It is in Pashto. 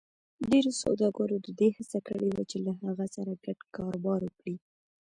ډېرو سوداګرو د دې هڅه کړې وه چې له هغه سره ګډ کاروبار وکړي.